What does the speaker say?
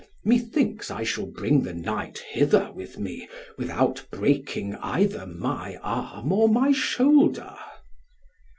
Methinks I shall bring the knight hither with me without breaking either my arm or my shoulder."